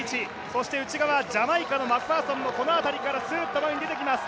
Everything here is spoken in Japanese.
そして、内側ジャマイカのマクファーソンもこの辺りからすーっと前に出てきます。